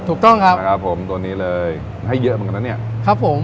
ถูกต้องครับนะครับผมตัวนี้เลยให้เยอะเหมือนกันนะเนี่ยครับผม